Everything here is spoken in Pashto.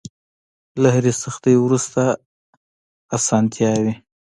له هرې سختۍ وروسته ارسانتيا وي.